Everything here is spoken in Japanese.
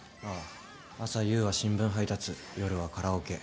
朝夕は新聞配達夜はカラオケ。